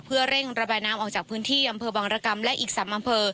เพื่อเร่งระบายน้ำออกจากพื้นที่อำเภอบังรกรรมและอีก๓อำเภอ